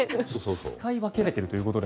使い分けられていると。